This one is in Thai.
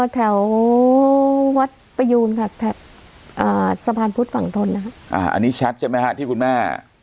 แถววัดประยูนค่ะอ่าสะพานพุทธฝั่งทนนะครับอันนี้แชทใช่ไหมฮะที่คุณแม่